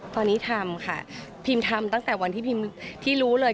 ตอนนี้ทำค่ะพิมทำตั้งแต่วันที่พิมที่รู้เลย